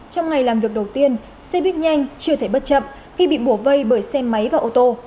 trong ngày làm việc đầu tiên xe buýt nhanh chưa thể bất chậm khi bị bủa vây bởi xe máy và ô tô